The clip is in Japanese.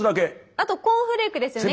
あとコーンフレークですよね。